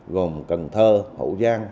gồm cần thơ hậu giang